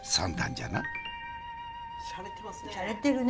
しゃれてますね。